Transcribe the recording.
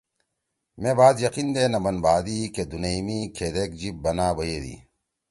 مے بات یقین دے نہ بَن بھادی کہ دُونیئی می کھیدیک جیِب بنا بیَدی۔